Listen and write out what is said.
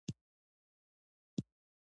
د بادامو مغز د حافظې لپاره ګټور دی.